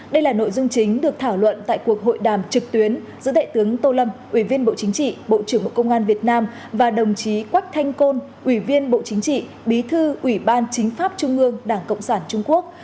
đây là nội dung chính được thảo luận tại cuộc hội đàm trực tuyến giữa đại tướng tô lâm ủy viên bộ chính trị bộ trưởng bộ công an việt nam và đồng chí quách thanh côn ủy viên bộ chính trị bí thư ủy ban chính pháp trung ương đảng cộng sản trung quốc